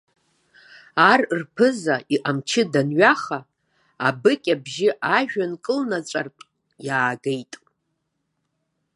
Ар рԥыза иҟамчы данҩаха, абыкь абжьы ажәҩан кылнаҵәартә иаагеит.